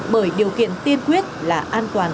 bởi điều kiện tiên quyết là an toàn